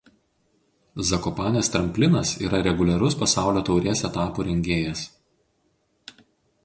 Zakopanės tramplinas yra reguliarus pasaulio taurės etapų rengėjas.